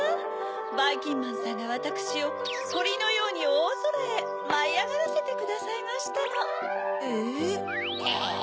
ばいきんまんさんがわたくしをとりのようにおおぞらへまいあがらせてくださいましたの。え？え？